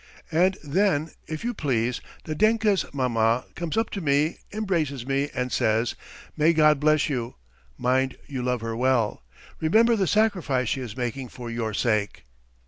And then, if you please, Nadenka's maman comes up to me, embraces me, and says: "May God bless you! ... Mind you love her well. ... Remember the sacrifice she is making for your sake!"